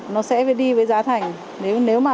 nó sẽ đi với giá thành nếu mà